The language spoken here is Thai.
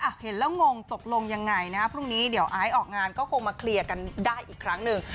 เห็นแล้วงงตกลงยังไงนะพรุ่งนี้เดี๋ยวไอซ์ออกงานก็คงมาเคลียร์กันได้อีกครั้งหนึ่ง